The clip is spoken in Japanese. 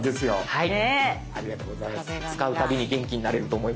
はい。